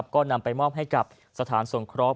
ก็นำไปมอบให้กับสถานสงเคราะห